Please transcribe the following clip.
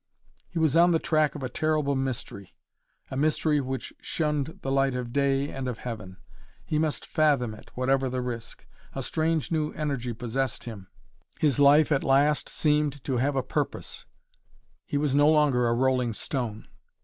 He was on the track of a terrible mystery, a mystery which shunned the light of day and of heaven. He must fathom it, whatever the risk. A strange new energy possessed him. His life at last seemed to have a purpose. He was no longer a rolling stone.